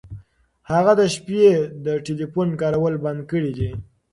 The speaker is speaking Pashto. هغه د شپې د ټیلیفون کارول بند کړي دي.